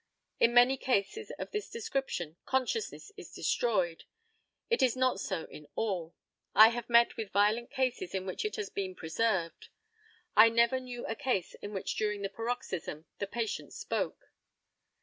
In many cases of this description consciousness is destroyed. It is not so in all. I have met with violent cases in which it has been preserved. I never knew a case in which during the paroxysm the patient spoke.